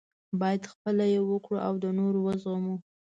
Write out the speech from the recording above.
باید خپله یې وکړو او د نورو وزغمو.